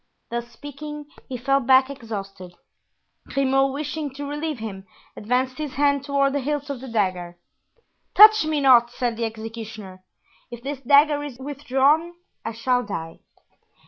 Thus speaking, he fell back exhausted. Grimaud, wishing to relieve him, advanced his hand toward the hilt of the dagger. "Touch me not!" said the executioner; "if this dagger is withdrawn I shall die."